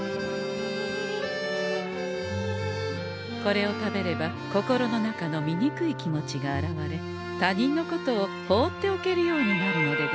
これを食べれば心の中のみにくい気持ちが洗われ他人のことを放っておけるようになるのでござんす。